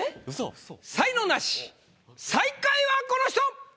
才能ナシ最下位はこの人！